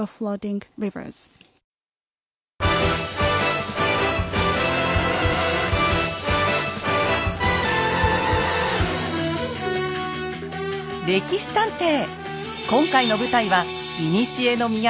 今回の舞台はいにしえの都飛鳥。